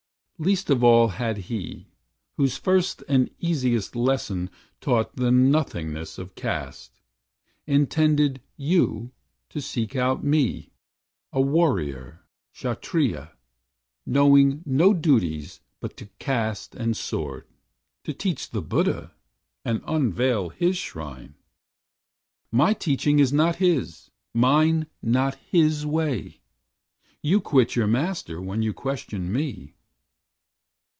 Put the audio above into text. Least of all Had he, whose first and easiest lesson taught The nothingness of caste, intended you To seek out me, a Warrior, Kshatriya, Knowing no duties but to caste and sword, To teach the Buddha and unveil his shrine. My teaching is not his; mine not his way; You quit your Master when you question me."